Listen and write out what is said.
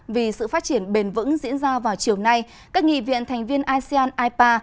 vì sự phát triển bền vững diễn ra vào chiều nay các nghị viện thành viên asean ipa